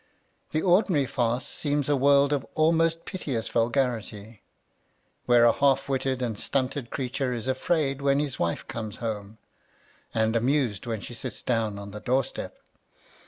The ordinary farce seems a world of almost piteous vulgarity, where a half witted and stunted creature is afraid when his wife comes home, and amused when she sits down on the door step.